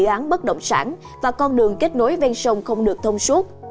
vì các dự án bất động sản và con đường kết nối ven sông không được thông suốt